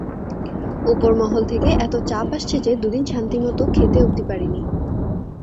উপরমহল থেকে এত চাপ আসছে যে দুদিন শান্তিমতো খেতে অব্ধি পারিনি।